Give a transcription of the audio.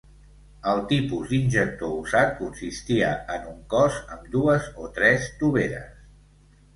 El tipus d'injector usat consistia en un cos amb dues o tres toveres.